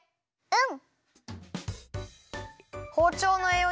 うん。